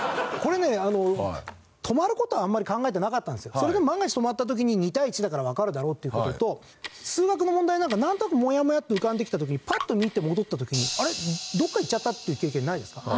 それでも万が一止まった時に２対１だからわかるだろうっていう事と数学の問題なんかなんとなくもやもやっと浮かんできた時にパッと見て戻った時にあれどっかいっちゃったっていう経験ないですか？